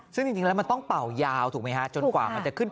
ซึ่งจริงแล้วมันต้องเป่ายาวถูกไหมฮะถูกฮะ